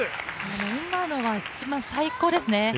今のは最高ですね。